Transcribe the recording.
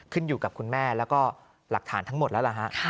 ขึ้นอยู่กับคุณแม่แล้วก็หลักฐานทั้งหมดแล้วล่ะฮะ